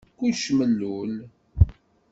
Kullec mellul.